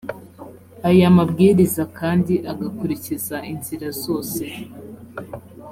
aya mabwiriza kandi agakurikiza inzira zose